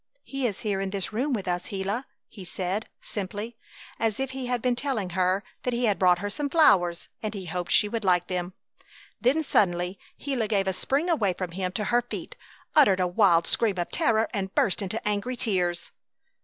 "He is here in this room with us, Gila!" he said, simply, as if he had been telling her that he had brought her some flowers and he hoped she would like them. Then suddenly Gila gave a spring away from him to her feet, uttered a wild scream of terror, and burst into angry tears!